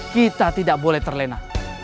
kita tidak boleh terlena